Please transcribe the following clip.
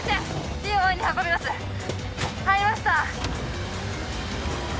ＴＯ１に運びます入りました